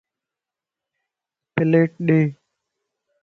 پليٽ ڏي